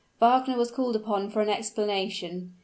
Wagner was called upon for an explanation.